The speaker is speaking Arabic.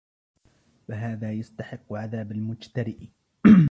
فَهَذَا يَسْتَحِقُّ عَذَابَ الْمُجْتَرِئِ